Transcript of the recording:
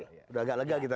sudah agak lega kita